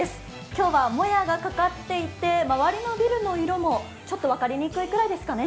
今日はもやがかかっていて、周りのビルの色もちょっと分かりにくいですかね。